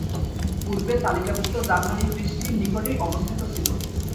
পূর্বে তালিকাভুক্ত জার্মানি ব্রিজটি নিকটেই অবস্থিত ছিল।